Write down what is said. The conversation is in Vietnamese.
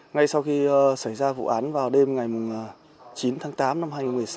ngay sau khi xảy ra vụ án vào đêm ngày chín tháng tám năm hai nghìn một mươi sáu